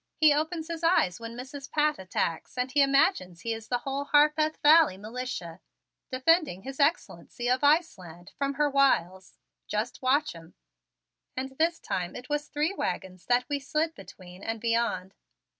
He opens his eyes when Mrs. Pat attacks and he imagines he is the whole Harpeth Valley Militia defending His Excellency of Iceland from her wiles. Just watch him!" And this time it was three wagons that we slid between and beyond.